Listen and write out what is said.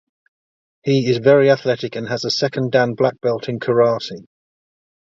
He is very athletic and has a second dan black belt in karate.